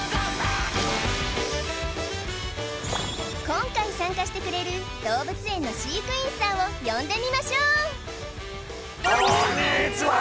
今回参加してくれる動物園の飼育員さんを呼んでみましょうこんにちは